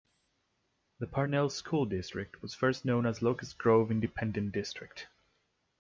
The Parnell school district was first known as Locust Grove Independent district.